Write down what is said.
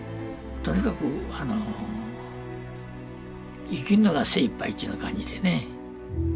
とにかくあの生きるのが精いっぱいというような感じでね。